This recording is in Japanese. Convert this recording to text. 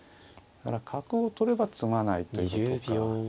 角を取れば詰まないということか。